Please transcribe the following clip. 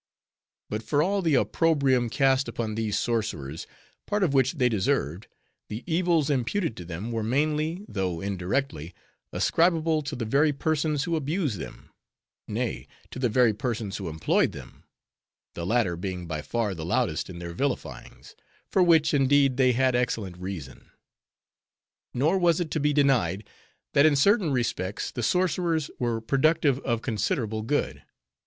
But for all the opprobrium cast upon these sorcerers, part of which they deserved, the evils imputed to them were mainly, though indirectly, ascribable to the very persons who abused them; nay, to the very persons who employed them; the latter being by far the loudest in their vilifyings; for which, indeed, they had excellent reason. Nor was it to be denied, that in certain respects, the sorcerers were productive of considerable good.